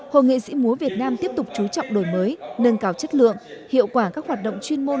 hội nghệ sĩ múa việt nam tiếp tục chú trọng đổi mới nâng cao chất lượng hiệu quả các hoạt động chuyên môn